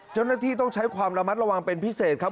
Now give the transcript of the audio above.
เจ้าหน้าที่ต้องใช้ความระมัดระวังเป็นพิเศษครับ